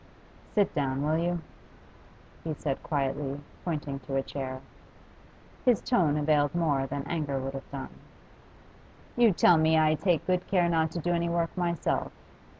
'Sit down, will you?' he said quietly, pointing to a chair. His tone availed more than anger would have done. 'You tell me I take good care not to do any work myself?